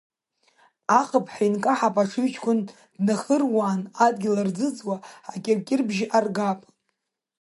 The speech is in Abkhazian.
Ахыԥҳәа инкаҳап аҽыҩҷкәын днахырууаан, адгьыл рӡыӡуа акьыркьырбжьы аргап.